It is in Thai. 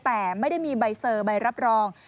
แต่ไม่ได้มีใบเซอร์ใบรับรอง